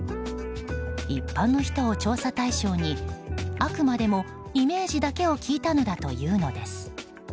一般の人を調査対象にあくまでもイメージだけを聞いたんだというのです。